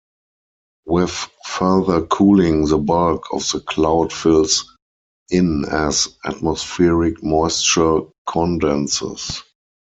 With further cooling, the bulk of the cloud fills in as atmospheric moisture condenses.